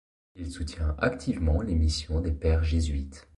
Il soutient activement les missions des pères jésuites.